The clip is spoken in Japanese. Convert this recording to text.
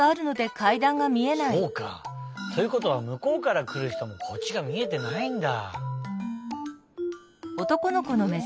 そうか。ということはむこうからくるひともこっちがみえてないんだ。